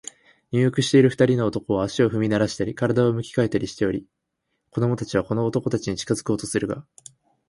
入浴している二人の男は、足を踏みならしたり、身体を向き変えたりしており、子供たちはこの男たちに近づこうとするが、